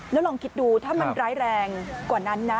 แล้วลองคิดดูถ้ามันร้ายแรงกว่านั้นนะ